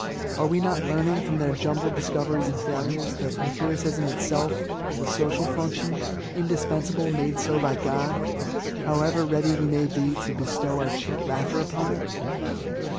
Are we not learning, from their jumbled discoveries and failures, that empiricism itself is a social function, indispensable, made so by God, however ready we may be to jbestow our cheap laughter upon it